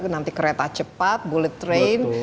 nanti kereta cepat bullet train